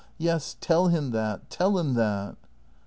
Yes, tell him that! Tell him that!